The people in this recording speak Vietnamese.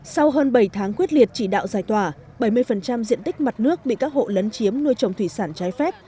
sau hơn bảy tháng quyết liệt chỉ đạo giải tỏa bảy mươi diện tích mặt nước bị các hộ lấn chiếm nuôi trồng thủy sản trái phép